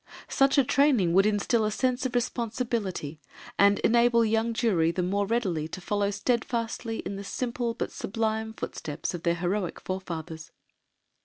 Such a training would instil a sense of responsibility, and enable young Jewry the more readily to follow steadfastly in the simple but sublime footsteps of their heroic forefathers.